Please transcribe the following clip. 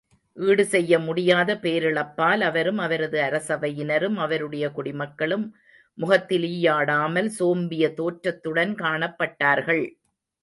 ஈடு செய்ய முடியாத பேரிழப்பால் அவரும் அவரது அரசவையினரும் அவருடைய குடிமக்களும் முகத்தில் ஈயாடாமல், சோம்பிய தோற்றத்துடன் காணப்பட்டார்கள்!